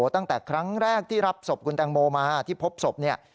ตั้งแต่ครั้งแรกที่รับศพคุณแตงโมมาที่พบศพเนี่ย